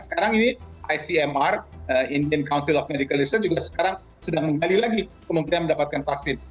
sekarang ini icmr indian council of medical reason juga sekarang sedang menggali lagi kemungkinan mendapatkan vaksin